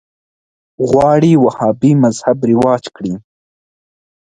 غواړي وهابي مذهب رواج کړي